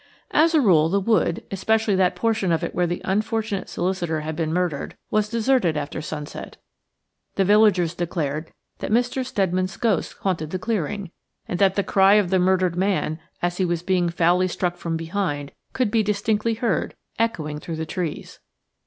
As a rule the wood, especially that portion of it where the unfortunate solicitor had been murdered, was deserted after sunset. The villagers declared that Mr. Steadman's ghost haunted the clearing, and that the cry of the murdered man, as he was being foully struck from behind, could be distinctly heard echoing through the trees.